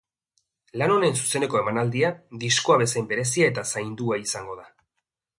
Lan honen zuzeneko emanaldia, diskoa bezain berezia eta zaindua izango da.